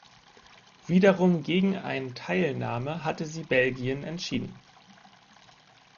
Wiederum gegen ein Teilnahme hatte sie Belgien entschieden.